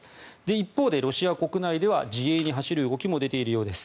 一方でロシア国内では自衛に走る動きも出てきているようです。